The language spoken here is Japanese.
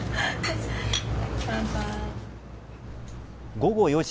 午後４時。